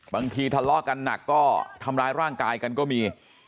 ทะเลาะกันหนักก็ทำร้ายร่างกายกันก็มี